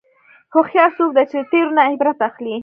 هوښیار څوک دی چې د تېرو نه عبرت اخلي.